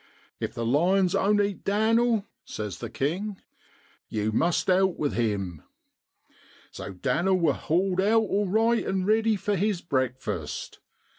If the lions oan't eat Dan'],' says the king, 'yew must out with him.' So Dan'i wor hauled out alright an' riddy for his breakfast.